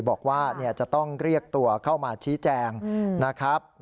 บอกว่าจะต้องเรียกตัวเข้ามาชี้แจงนะครับ